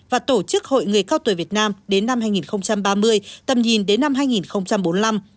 và tổ chức hội người cao tuổi việt nam đến năm hai nghìn ba mươi tầm nhìn đến năm hai nghìn bốn mươi năm